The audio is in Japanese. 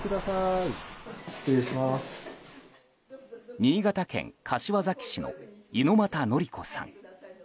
新潟県柏崎市の猪俣紀子さん。